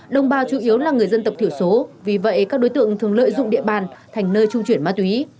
đồng bào chủ yếu là người dân tộc thiểu số vì vậy các đối tượng thường lợi dụng địa bàn thành nơi trung chuyển ma túy